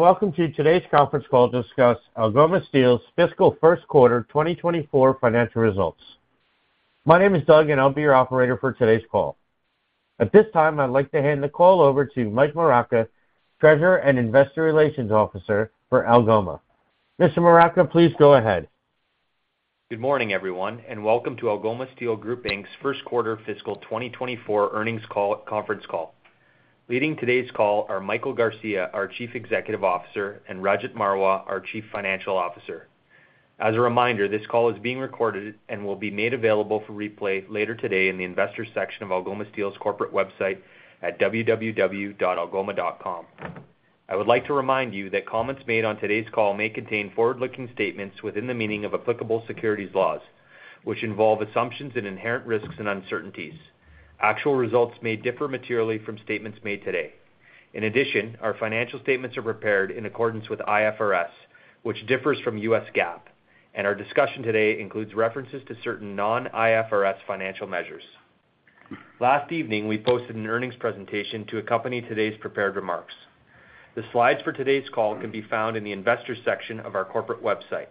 Hello. Welcome to today's conference call to discuss Algoma Steel's fiscal first quarter 2024 financial results. My name is Doug, and I'll be your operator for today's call. At this time, I'd like to hand the call over to Mike Moraca, Treasurer and Investor Relations Officer for Algoma. Mr. Moraca, please go ahead. Good morning, everyone, welcome to Algoma Steel Group Inc's first quarter fiscal 2024 earnings call, conference call. Leading today's call are Michael Garcia, our Chief Executive Officer, and Rajat Marwah, our Chief Financial Officer. As a reminder, this call is being recorded and will be made available for replay later today in the investors section of Algoma Steel's corporate website at www.algoma.com. I would like to remind you that comments made on today's call may contain forward-looking statements within the meaning of applicable securities laws, which involve assumptions and inherent risks and uncertainties. Actual results may differ materially from statements made today. In addition, our financial statements are prepared in accordance with IFRS, which differs from U.S. GAAP, and our discussion today includes references to certain non-IFRS financial measures. Last evening, we posted an earnings presentation to accompany today's prepared remarks. The slides for today's call can be found in the Investors section of our corporate website.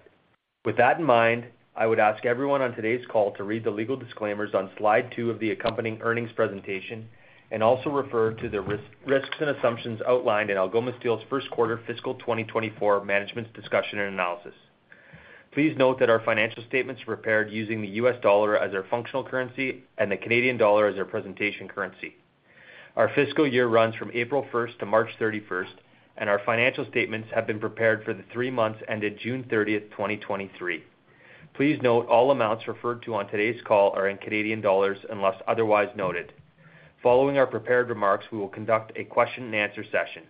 With that in mind, I would ask everyone on today's call to read the legal disclaimers on slide two of the accompanying earnings presentation, and also refer to the risk, risks and assumptions outlined in Algoma Steel's first quarter fiscal 2024 management's discussion and analysis. Please note that our financial statements are prepared using the U.S. dollar as our functional currency and the Canadian dollar as our presentation currency. Our fiscal year runs from April 1st to March 31st, and our financial statements have been prepared for the three months ended June 30th, 2023. Please note, all amounts referred to on today's call are in Canadian dollars, unless otherwise noted. Following our prepared remarks, we will conduct a question-and-answer session.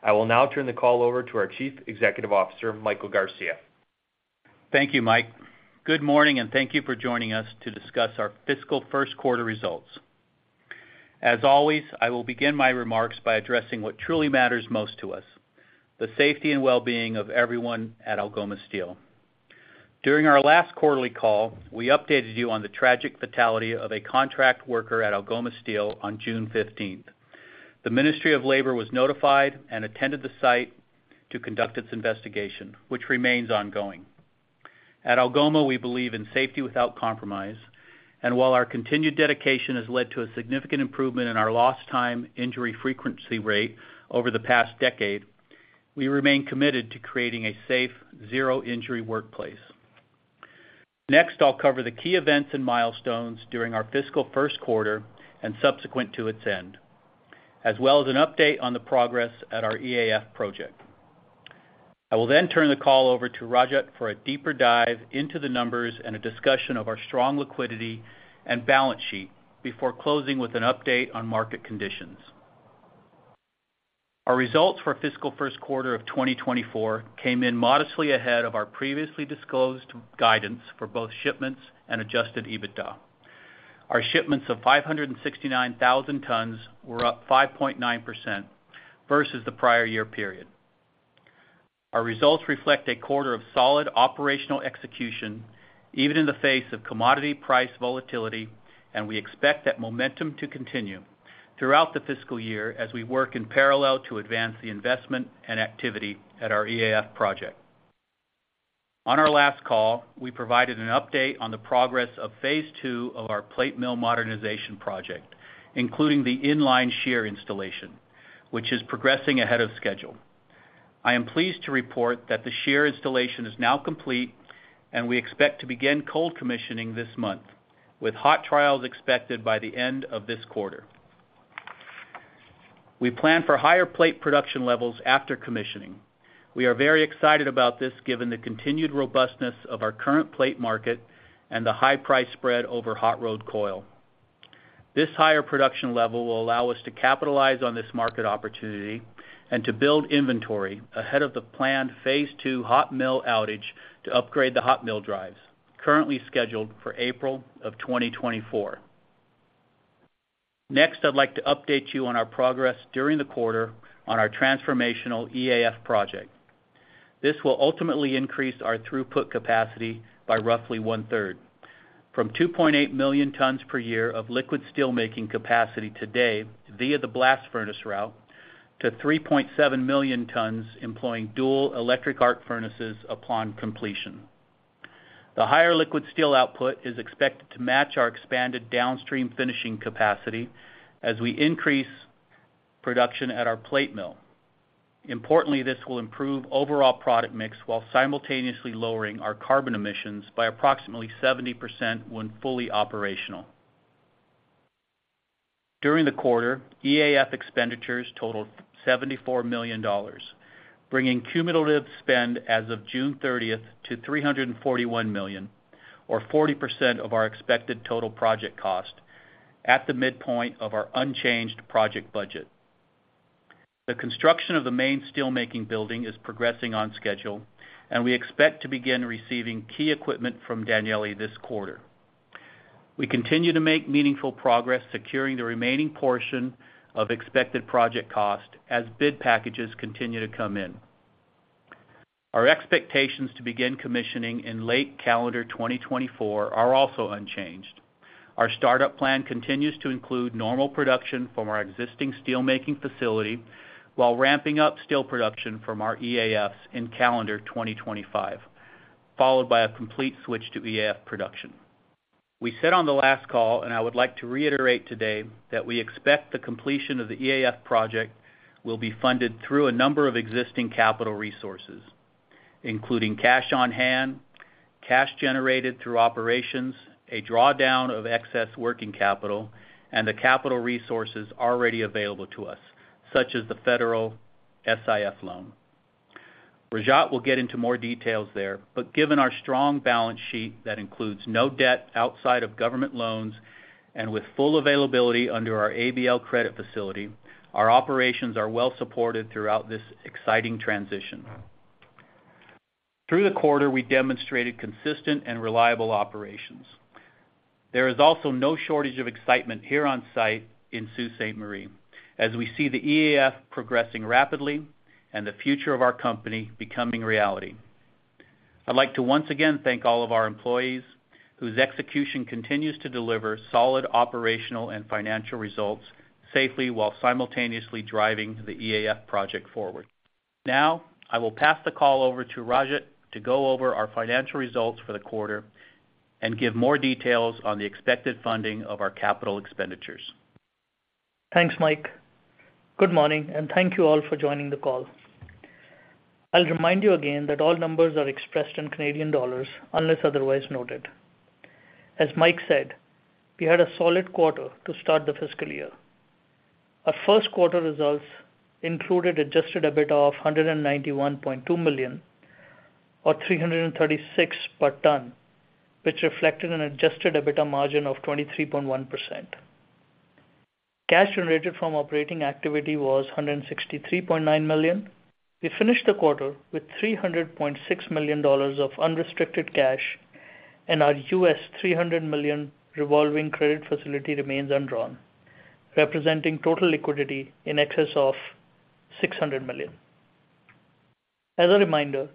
I will now turn the call over to our Chief Executive Officer, Michael Garcia. Thank you, Mike. Good morning, thank you for joining us to discuss our fiscal first quarter results. As always, I will begin my remarks by addressing what truly matters most to us, the safety and well-being of everyone at Algoma Steel. During our last quarterly call, we updated you on the tragic fatality of a contract worker at Algoma Steel on June 15th. The Ministry of Labour was notified and attended the site to conduct its investigation, which remains ongoing. At Algoma, we believe in safety without compromise, while our continued dedication has led to a significant improvement in our Lost Time Injury Frequency Rate over the past decade, we remain committed to creating a safe, zero-injury workplace. Next, I'll cover the key events and milestones during our fiscal first quarter and subsequent to its end, as well as an update on the progress at our EAF project. I will then turn the call over to Rajat for a deeper dive into the numbers and a discussion of our strong liquidity and balance sheet before closing with an update on market conditions. Our results for fiscal first quarter of 2024 came in modestly ahead of our previously disclosed guidance for both shipments and adjusted EBITDA. Our shipments of 569,000 tons were up 5.9% versus the prior year period. Our results reflect a quarter of solid operational execution, even in the face of commodity price volatility, and we expect that momentum to continue throughout the fiscal year as we work in parallel to advance the investment and activity at our EAF project. On our last call, we provided an update on the progress of phase II of our plate mill modernization project, including the in-line shear installation, which is progressing ahead of schedule. I am pleased to report that the shear installation is now complete and we expect to begin cold commissioning this month, with hot trials expected by the end of this quarter. We plan for higher plate production levels after commissioning. We are very excited about this, given the continued robustness of our current plate market and the high price spread over hot-rolled coil. This higher production level will allow us to capitalize on this market opportunity and to build inventory ahead of the planned phase II hot mill outage to upgrade the hot mill drives, currently scheduled for April of 2024. I'd like to update you on our progress during the quarter on our transformational EAF project. This will ultimately increase our throughput capacity by roughly 1/3, from 2.8 million tons per year of liquid steelmaking capacity today via the blast furnace route, to 3.7 million tons employing dual electric arc furnaces upon completion. The higher liquid steel output is expected to match our expanded downstream finishing capacity as we increase production at our plate mill. Importantly, this will improve overall product mix while simultaneously lowering our carbon emissions by approximately 70% when fully operational. During the quarter, EAF expenditures totaled 74 million dollars, bringing cumulative spend as of June 30th to 341 million, or 40% of our expected total project cost, at the midpoint of our unchanged project budget. The construction of the main steelmaking building is progressing on schedule. We expect to begin receiving key equipment from Danieli this quarter. We continue to make meaningful progress securing the remaining portion of expected project cost as bid packages continue to come in. Our expectations to begin commissioning in late calendar 2024 are also unchanged. Our startup plan continues to include normal production from our existing steelmaking facility, while ramping up steel production from our EAFs in calendar 2025, followed by a complete switch to EAF production. We said on the last call, and I would like to reiterate today, that we expect the completion of the EAF project will be funded through a number of existing capital resources, including cash on hand, cash generated through operations, a drawdown of excess working capital, and the capital resources already available to us, such as the federal SIF loan. Rajat will get into more details there, but given our strong balance sheet, that includes no debt outside of government loans, and with full availability under our ABL credit facility, our operations are well supported throughout this exciting transition. Through the quarter, we demonstrated consistent and reliable operations. There is also no shortage of excitement here on site in Sault Ste. Marie, as we see the EAF progressing rapidly and the future of our company becoming reality. I'd like to once again thank all of our employees, whose execution continues to deliver solid operational and financial results safely while simultaneously driving the EAF project forward. Now, I will pass the call over to Rajat to go over our financial results for the quarter and give more details on the expected funding of our capital expenditures. Thanks, Mike. Good morning, thank you all for joining the call. I'll remind you again that all numbers are expressed in Canadian dollars, unless otherwise noted. As Mike said, we had a solid quarter to start the fiscal year. Our first quarter results included adjusted EBITDA of 191.2 million, or 336 per ton, which reflected an adjusted EBITDA margin of 23.1%. Cash generated from operating activity was 163.9 million. We finished the quarter with 300.6 million dollars of unrestricted cash, and our $300 million revolving credit facility remains undrawn, representing total liquidity in excess of 600 million. As a reminder,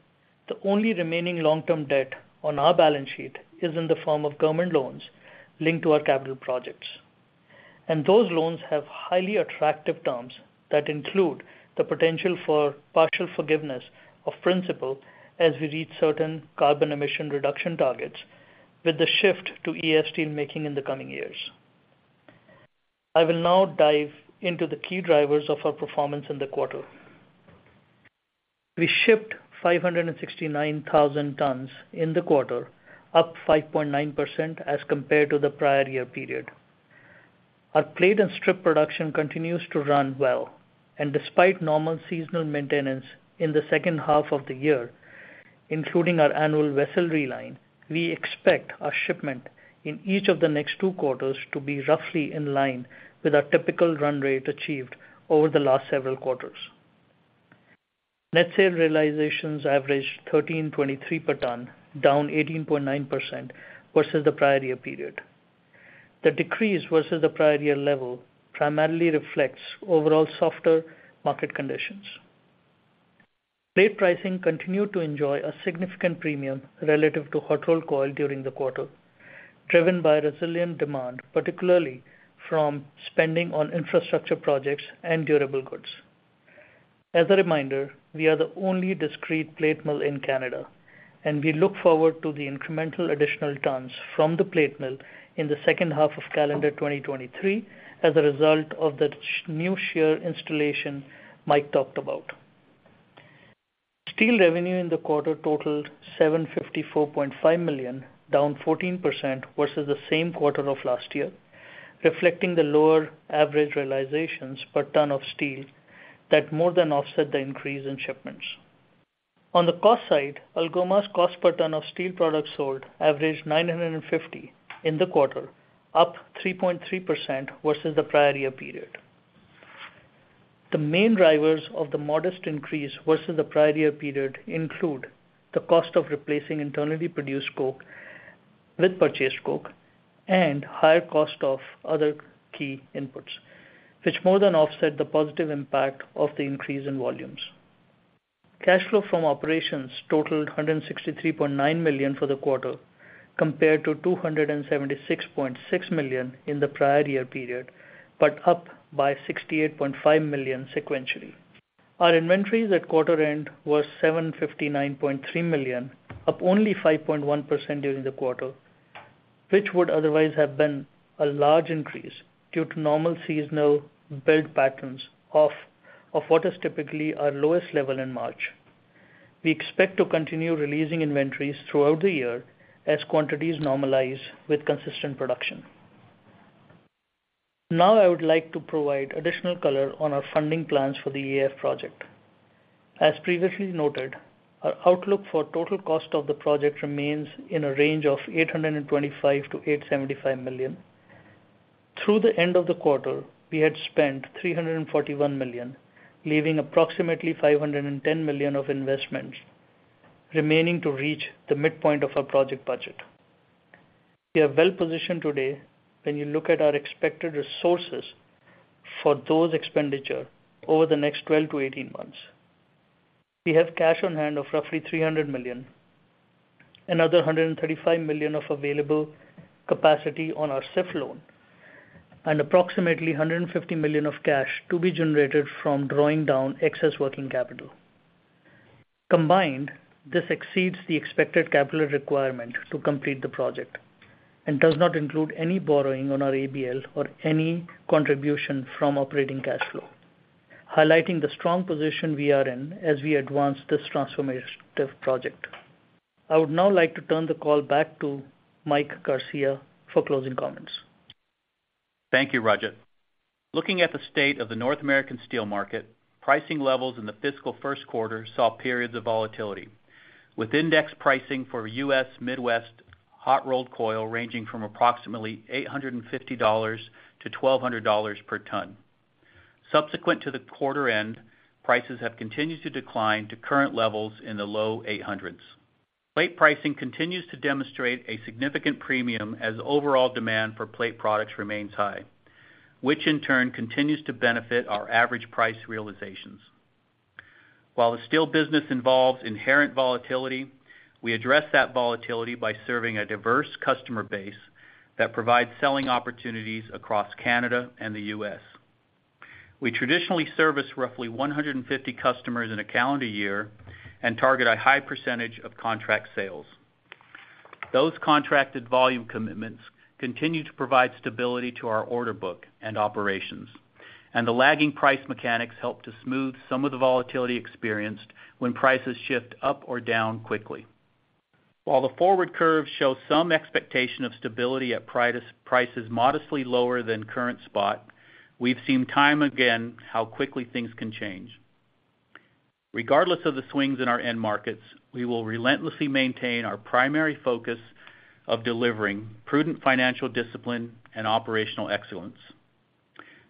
the only remaining long-term debt on our balance sheet is in the form of government loans linked to our capital projects. Those loans have highly attractive terms that include the potential for partial forgiveness of principal as we reach certain carbon emission reduction targets with the shift to EAF steelmaking in the coming years. I will now dive into the key drivers of our performance in the quarter. We shipped 569,000 tons in the quarter, up 5.9% as compared to the prior year period. Our plate and strip production continues to run well, and despite normal seasonal maintenance in the second half of the year, including our annual vessel reline, we expect our shipment in each of the next two quarters to be roughly in line with our typical run rate achieved over the last several quarters. Net sales realizations averaged 1,323 per ton, down 18.9% versus the prior year period. The decrease versus the prior year level primarily reflects overall softer market conditions. Plate pricing continued to enjoy a significant premium relative to hot-rolled coil during the quarter, driven by resilient demand, particularly from spending on infrastructure projects and durable goods. As a reminder, we are the only discrete plate mill in Canada, and we look forward to the incremental additional tons from the plate mill in the second half of calendar 2023 as a result of the new shear installation Mike talked about. Steel revenue in the quarter totaled 754.5 million, down 14% versus the same quarter of last year, reflecting the lower average realizations per ton of steel that more than offset the increase in shipments. On the cost side, Algoma's cost per ton of steel products sold averaged 950 in the quarter, up 3.3% versus the prior year period. The main drivers of the modest increase versus the prior year period include the cost of replacing internally produced coke with purchased coke and higher cost of other key inputs, which more than offset the positive impact of the increase in volumes. Cash flow from operations totaled 163.9 million for the quarter, compared to 276.6 million in the prior year period, up by 68.5 million sequentially. Our inventories at quarter end was 759.3 million, up only 5.1% during the quarter, which would otherwise have been a large increase due to normal seasonal build patterns of, of what is typically our lowest level in March. We expect to continue releasing inventories throughout the year as quantities normalize with consistent production. Now, I would like to provide additional color on our funding plans for the EAF project. As previously noted, our outlook for total cost of the project remains in a range of 825 million-875 million. Through the end of the quarter, we had spent 341 million, leaving approximately 510 million of investments remaining to reach the midpoint of our project budget.... We are well positioned today when you look at our expected resources for those expenditure over the next 12-18 months. We have cash on hand of roughly 300 million, another 135 million of available capacity on our SIF loan, and approximately 150 million of cash to be generated from drawing down excess working capital. Combined, this exceeds the expected capital requirement to complete the project and does not include any borrowing on our ABL or any contribution from operating cash flow, highlighting the strong position we are in as we advance this transformative project. I would now like to turn the call back to Mike Garcia for closing comments. Thank you, Rajat. Looking at the state of the North American steel market, pricing levels in the fiscal first quarter saw periods of volatility, with index pricing for U.S. Midwest hot-rolled coil ranging from approximately 850-1,200 dollars per ton. Subsequent to the quarter end, prices have continued to decline to current levels in the low CAD 800s. Plate pricing continues to demonstrate a significant premium as overall demand for plate products remains high, which in turn continues to benefit our average price realizations. While the steel business involves inherent volatility, we address that volatility by serving a diverse customer base that provides selling opportunities across Canada and the U.S. We traditionally service roughly 150 customers in a calendar year and target a high percentage of contract sales. Those contracted volume commitments continue to provide stability to our order book and operations, and the lagging price mechanics help to smooth some of the volatility experienced when prices shift up or down quickly. While the forward curve shows some expectation of stability at prices modestly lower than current spot, we've seen time again how quickly things can change. Regardless of the swings in our end markets, we will relentlessly maintain our primary focus of delivering prudent financial discipline and operational excellence.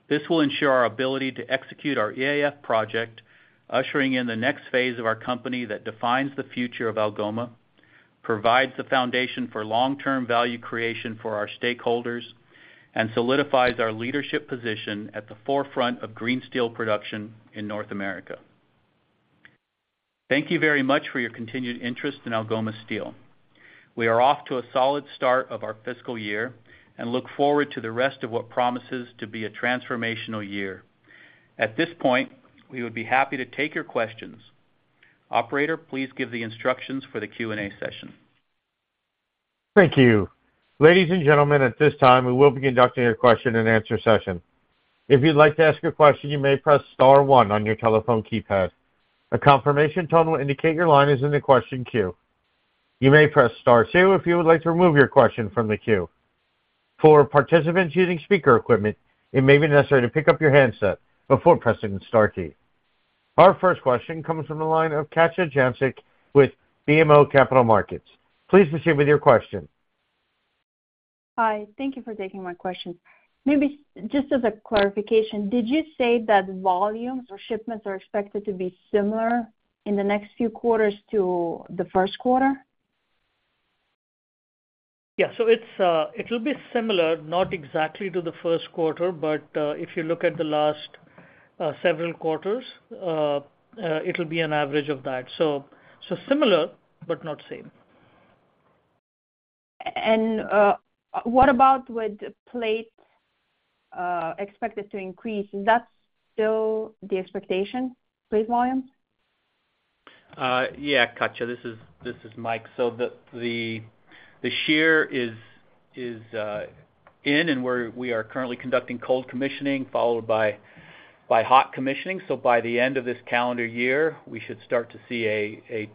This will ensure our ability to execute our EAF project, ushering in the next phase of our company that defines the future of Algoma, provides the foundation for long-term value creation for our stakeholders, and solidifies our leadership position at the forefront of green steel production in North America. Thank you very much for your continued interest in Algoma Steel. We are off to a solid start of our fiscal year and look forward to the rest of what promises to be a transformational year. At this point, we would be happy to take your questions. Operator, please give the instructions for the Q&A session. Thank you. Ladies and gentlemen, at this time, we will be conducting a question-and-answer session. If you'd like to ask a question, you may press star one on your telephone keypad. A confirmation tone will indicate your line is in the question queue. You may press star two if you would like to remove your question from the queue. For participants using speaker equipment, it may be necessary to pick up your handset before pressing the star key. Our first question comes from the line of Katja Jancic with BMO Capital Markets. Please proceed with your question. Hi, thank you for taking my question. Maybe just as a clarification, did you say that volumes or shipments are expected to be similar in the next few quarters to the first quarter? Yeah. It's, it will be similar, not exactly to the first quarter, but, if you look at the last, several quarters, it'll be an average of that. Similar, but not same. What about with plate, expected to increase? Is that still the expectation, plate volume? Yeah, Katya, this is, this is Mike. The, the, the shear is, is in, and we are currently conducting cold commissioning, followed by hot commissioning. By the end of this calendar year, we should start to see a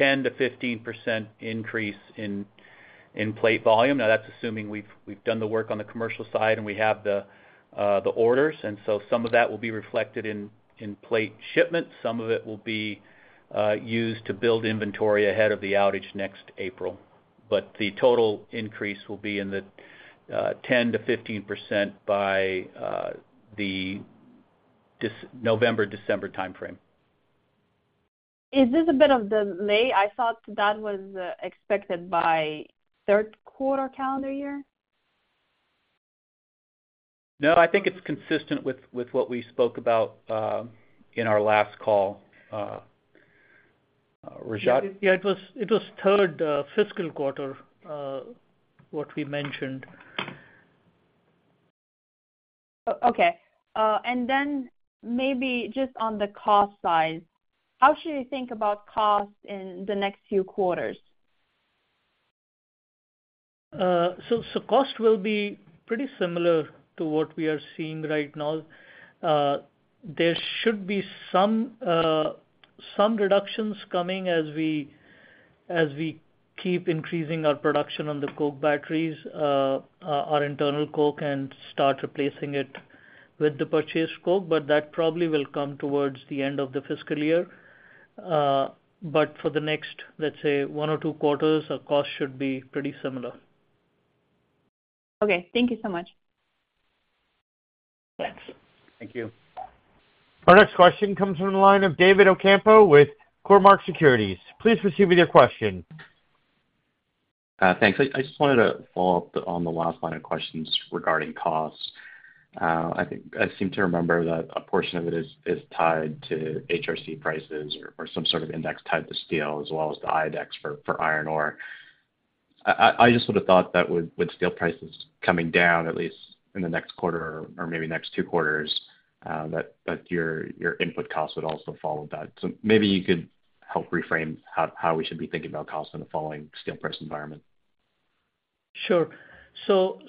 10%-15% increase in plate volume. Now, that's assuming we've done the work on the commercial side, and we have the orders, some of that will be reflected in plate shipments. Some of it will be used to build inventory ahead of the outage next April. The total increase will be in the 10%-15% by November, December timeframe. Is this a bit of delay? I thought that was expected by third quarter calendar year. No, I think it's consistent with, with what we spoke about, in our last call, Rajat? Yeah, it was, it was third fiscal quarter, what we mentioned. Okay. Then maybe just on the cost side, how should we think about cost in the next few quarters? Cost will be pretty similar to what we are seeing right now. There should be some, some reductions coming as we, as we keep increasing our production on the coke batteries, our internal coke and start replacing it with the purchased coke, but that probably will come towards the end of the fiscal year. For the next, let's say, one or two quarters, our cost should be pretty similar. Okay. Thank you so much. Thanks. Thank you. Our next question comes from the line of David Ocampo with Cormark Securities. Please proceed with your question. Thanks. I, I just wanted to follow up on the last line of questions regarding costs. I think I seem to remember that a portion of it is, is tied to HRC prices or, or some sort of index tied to steel, as well as the IODEX for, for iron ore. I, I, I just would have thought that with, with steel prices coming down, at least in the next quarter or maybe next two quarters, that, that your, your input costs would also follow that. Maybe you could help reframe how, how we should be thinking about costs in the following steel price environment. Sure.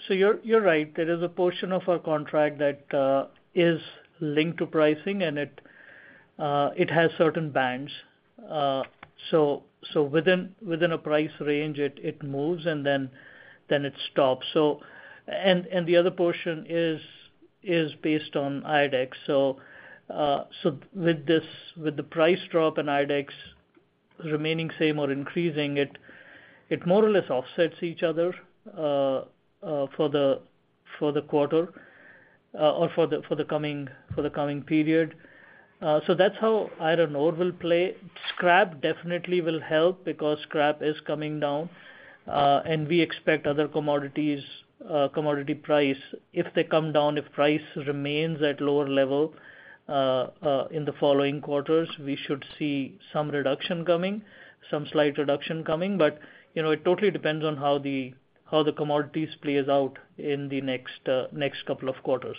You're, you're right. There is a portion of our contract that is linked to pricing, and it, it has certain bands. Within, within a price range, it, it moves, and then, then it stops. The other portion is, is based on IODEX. With this, with the price drop in IODEX remaining same or increasing, it, it more or less offsets each other for the, for the quarter, or for the, for the coming, for the coming period. That's how iron ore will play. Scrap definitely will help because scrap is coming down, and we expect other commodities, commodity price, if they come down, if price remains at lower level in the following quarters, we should see some reduction coming, some slight reduction coming. You know, it totally depends on how the commodities plays out in the next couple of quarters.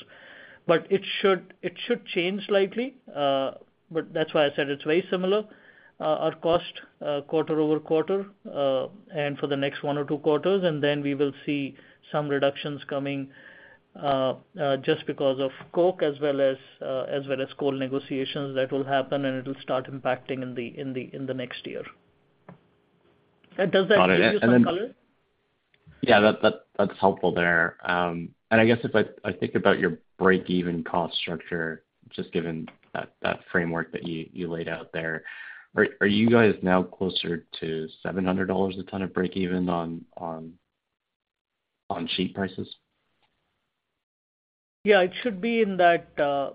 It should, it should change slightly, but that's why I said it's very similar, our cost quarter-over-quarter, and for the next one or two quarters, and then we will see some reductions coming, just because of coke as well as as well as coal negotiations that will happen, and it'll start impacting in the next year. Does that give you some color? Yeah, that, that, that's helpful there. I guess if I, I think about your break-even cost structure, just given that, that framework that you, you laid out there, are, are you guys now closer to 700 dollars a ton of break even on sheet prices? Yeah, it should be in that,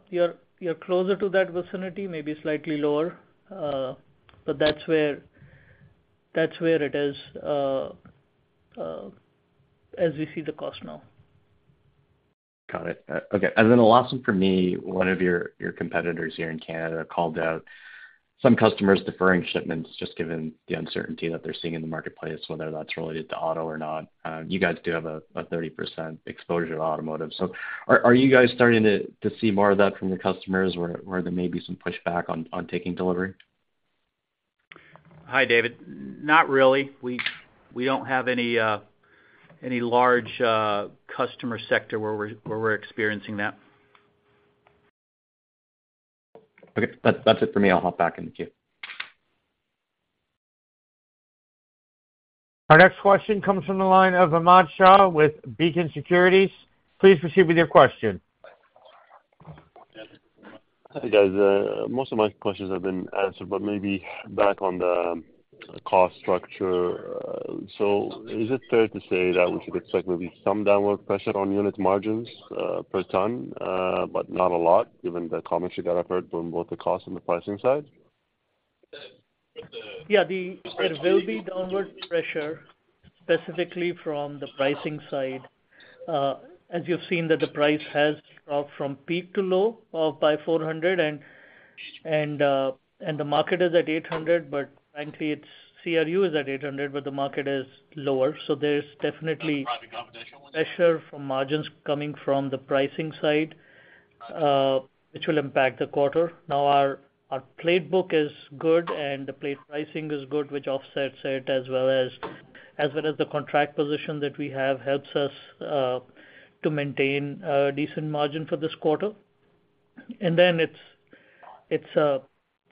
you're, you're closer to that vicinity, maybe slightly lower. That's where, that's where it is, as we see the cost now. Got it. Okay. The last one for me, one of your, your competitors here in Canada called out some customers deferring shipments, just given the uncertainty that they're seeing in the marketplace, whether that's related to auto or not. You guys do have a 30% exposure to automotive. Are, are you guys starting to, to see more of that from your customers, where, where there may be some pushback on, on taking delivery? Hi, David. Not really. We, we don't have any, any large, customer sector where we're, where we're experiencing that. Okay. That's, that's it for me. I'll hop back in the queue. Our next question comes from the line of Ahmad Shaath with Beacon Securities. Please proceed with your question. Hi, guys. Most of my questions have been answered, but maybe back on the cost structure. Is it fair to say that we should expect maybe some downward pressure on unit margins, per ton, but not a lot, given the comments you got up heard from both the cost and the pricing side? Yeah, the... There will be downward pressure, specifically from the pricing side. As you've seen, that the price has dropped from peak to low, by 400, and the market is at 800, but frankly, it's CRU is at 800, but the market is lower. There's definitely pressure from margins coming from the pricing side, which will impact the quarter. Now, our, our plate book is good, and the plate pricing is good, which offsets it, as well as, as well as the contract position that we have, helps us to maintain a decent margin for this quarter. It's, it's,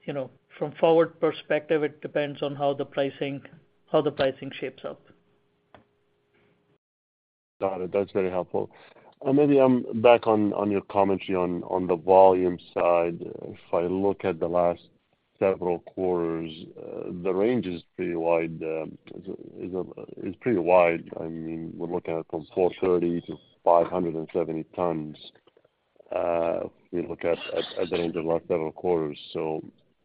you know, from forward perspective, it depends on how the pricing, how the pricing shapes up. Got it. That's very helpful. Maybe, back on, on your commentary on, on the volume side. If I look at the last several quarters, the range is pretty wide, is, is pretty wide. I mean, we're looking at from 430 to 570 tons, we look at, at, at the range of last several quarters.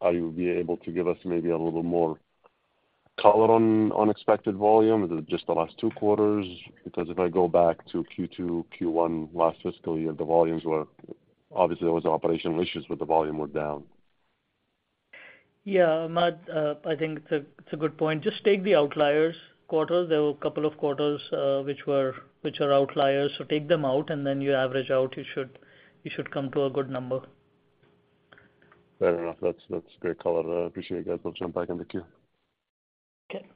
Are you be able to give us maybe a little more color on unexpected volume? Is it just the last two quarters? Because if I go back to Q2, Q1, last fiscal year, the volumes were, obviously, there was operational issues, but the volume were down. Yeah, Ahmad, I think it's a good point. Just take the outliers quarters. There were two quarters, which were, which are outliers, so take them out, and then you average out, you should come to a good number. Fair enough. That's, that's great color. I appreciate it, guys. I'll jump back in the queue. Okay.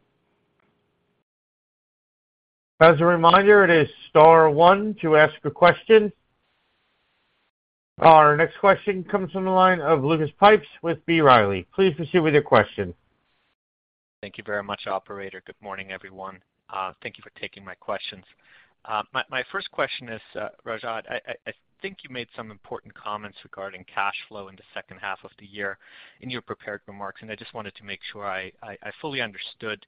As a reminder, it is star one to ask a question. Our next question comes from the line of Lucas Pipes with B. Riley. Please proceed with your question. Thank you very much, operator. Good morning, everyone. Thank you for taking my questions. My, my first question is, Rajat, I, I, I think you made some important comments regarding cash flow in the second half of the year in your prepared remarks, and I just wanted to make sure I, I, I fully understood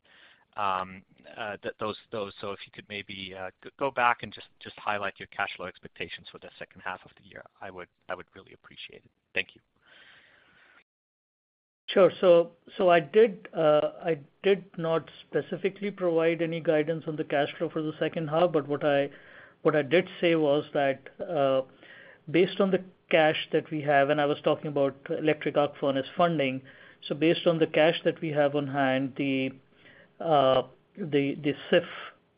that those, those. If you could maybe g- go back and just, just highlight your cash flow expectations for the second half of the year, I would, I would really appreciate it. Thank you.... Sure. I did not specifically provide any guidance on the cash flow for the second half, but what I, what I did say was that, based on the cash that we have, and I was talking about electric arc furnace funding. Based on the cash that we have on hand, the SIF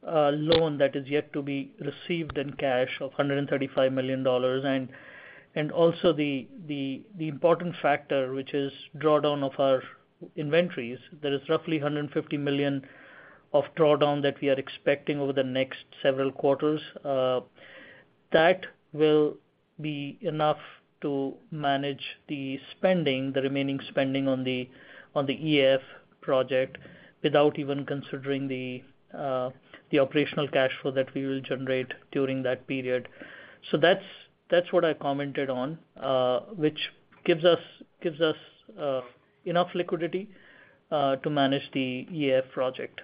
loan that is yet to be received in cash of 135 million dollars, and also the important factor, which is drawdown of our inventories, there is roughly 150 million of drawdown that we are expecting over the next several quarters. That will be enough to manage the spending, the remaining spending on the EAF project, without even considering the operational cash flow that we will generate during that period. That's, that's what I commented on, which gives us, gives us enough liquidity to manage the EAF project.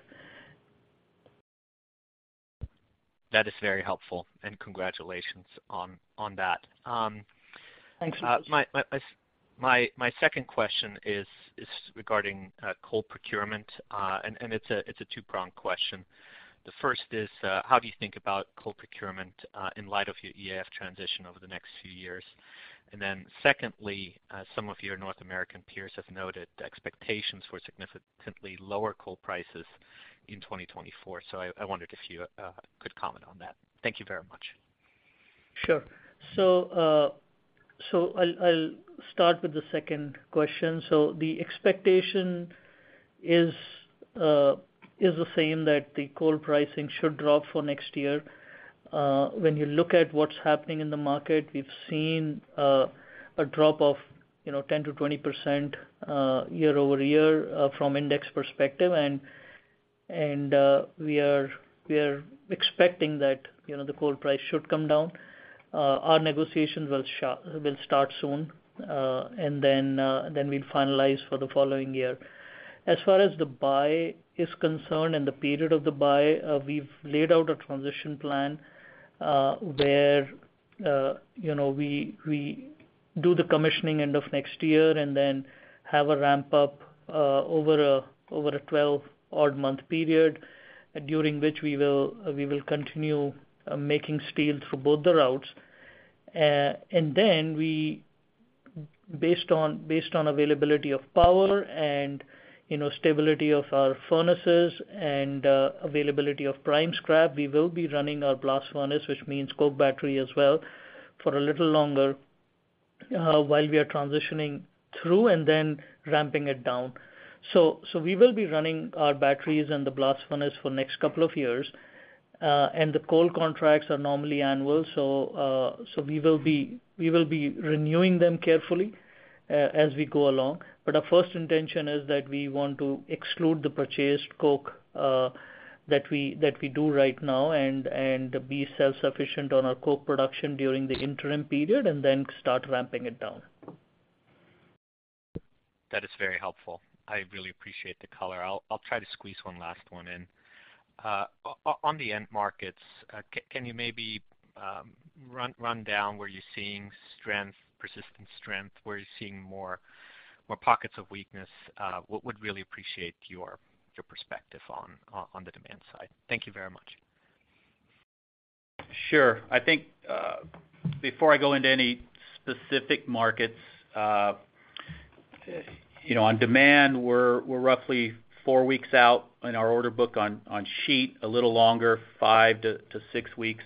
That is very helpful, and congratulations on, on that. Thanks. My, my, my, my second question is, is regarding coal procurement, and, and it's a two-pronged question. The first is, how do you think about coal procurement, in light of your EAF transition over the next few years? Secondly, some of your North American peers have noted expectations for significantly lower coal prices in 2024. I, I wondered if you could comment on that. Thank you very much. Sure. I'll, I'll start with the second question. The expectation is, is the same, that the coal pricing should drop for next year. When you look at what's happening in the market, we've seen a drop of, you know, 10%-20% year-over-year from index perspective. We are, we are expecting that, you know, the coal price should come down. Our negotiations will sha- will start soon, and then, then we'll finalize for the following year. As far as the buy is concerned and the period of the buy, we've laid out a transition plan, where, you know, we, we do the commissioning end of next year and then have a ramp up, over a, over a 12-odd-month period, during which we will, we will continue, making steel through both the routes. Based on, based on availability of power and, you know, stability of our furnaces and, availability of prime scrap, we will be running our blast furnace, which means coke battery as well, for a little longer, while we are transitioning through and then ramping it down. So we will be running our batteries and the blast furnace for next couple of years. The coal contracts are normally annual, so we will be, we will be renewing them carefully, as we go along. Our first intention is that we want to exclude the purchased coke that we do right now and, and be self-sufficient on our coke production during the interim period, and then start ramping it down. That is very helpful. I really appreciate the color. I'll, I'll try to squeeze one last one in. On the end markets, can you maybe run, run down where you're seeing strength, persistent strength? Where you're seeing more, more pockets of weakness? Would really appreciate your, your perspective on the demand side. Thank you very much. Sure. I think, before I go into any specific markets, you know, on demand, we're, we're roughly four weeks out in our order book on, on sheet, a little longer, five to six weeks,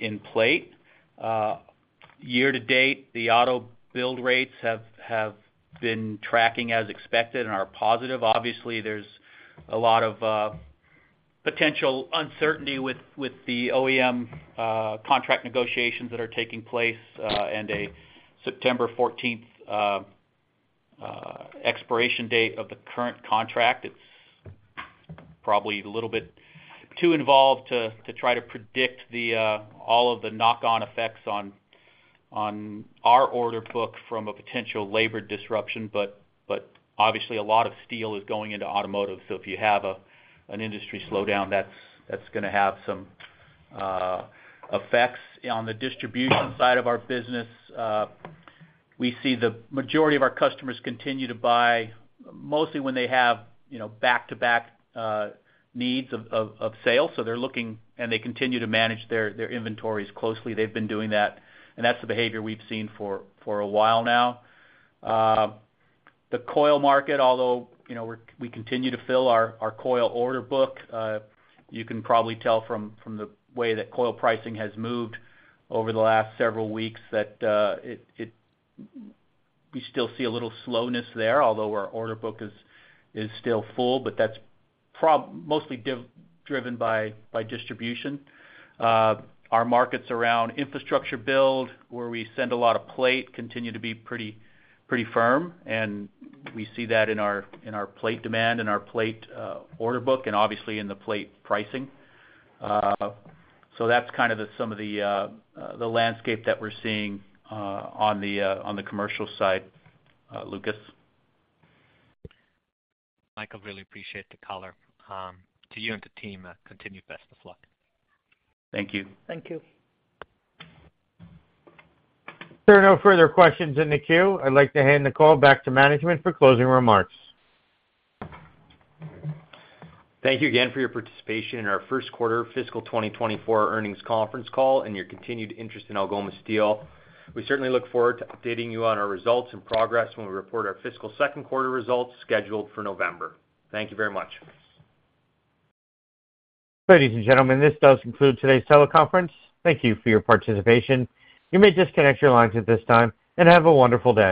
in plate. Year to date, the auto build rates have, have been tracking as expected and are positive. Obviously, there's a lot of, potential uncertainty with, with the OEM, contract negotiations that are taking place, and a September 14th, expiration date of the current contract. It's probably a little bit too involved to, to try to predict the, all of the knock-on effects on, on our order book from a potential labor disruption, but, but obviously, a lot of steel is going into automotive. If you have a, an industry slowdown, that's, that's gonna have some, effects. On the distribution side of our business, we see the majority of our customers continue to buy mostly when they have, you know, back-to-back needs of sales. They're looking and they continue to manage their inventories closely. They've been doing that, and that's the behavior we've seen for a while now. The coil market, although, you know, we continue to fill our coil order book, you can probably tell from the way that coil pricing has moved over the last several weeks, that we still see a little slowness there, although our order book is still full, but that's mostly driven by distribution. Our markets around infrastructure build, where we send a lot of plate, continue to be pretty, pretty firm, and we see that in our, in our plate demand, in our plate order book, and obviously in the plate pricing. That's kind of the, some of the, the landscape that we're seeing, on the on the commercial side, Lucas. Michael, really appreciate the color. To you and the team, continued best of luck. Thank you. Thank you. There are no further questions in the queue. I'd like to hand the call back to management for closing remarks. Thank you again for your participation in our first quarter fiscal 2024 earnings conference call, and your continued interest in Algoma Steel. We certainly look forward to updating you on our results and progress when we report our fiscal second quarter results, scheduled for November. Thank you very much. Ladies and gentlemen, this does conclude today's teleconference. Thank you for your participation. You may disconnect your lines at this time, and have a wonderful day.